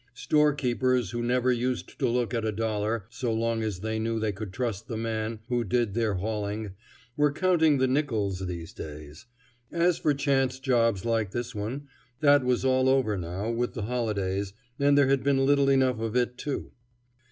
Storekeepers who never used to look at a dollar, so long as they knew they could trust the man who did their hauling, were counting the nickels these days. As for chance jobs like this one, that was all over now with the holidays, and there had been little enough of it, too.